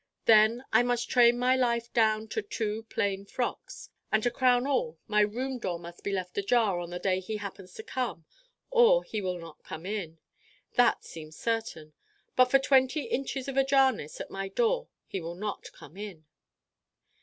Then I must train my life down to two plain frocks. And to crown all my room door must be left ajar on the day he happens to come or he will not come in. That seems certain: but for twenty inches of ajarness at my door he will not come in.